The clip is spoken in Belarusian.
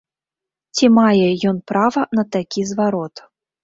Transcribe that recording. Ці мае ён права на такі зварот?